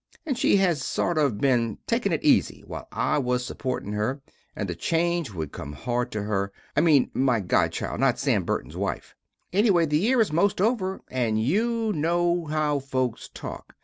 And she has sort of been takin it ezy while I was suportin her and the change wood come hard to her, I mene my godchild not Sam Burton's wife. Ennyway the yere is most over and you no how folks talk.